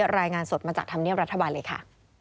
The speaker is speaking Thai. รายงานสดมาจากธรรมเนียบรัฐบาลเลยค่ะ